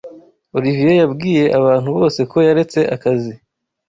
Olivier yabwiye abantu bose ko yaretse akazi.